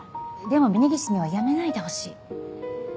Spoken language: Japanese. でも峰岸には辞めないでほしい。